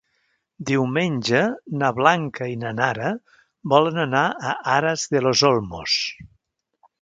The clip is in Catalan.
Diumenge na Blanca i na Nara volen anar a Aras de los Olmos.